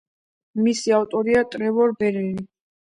მისი ავტორია ტრევორ რებინი.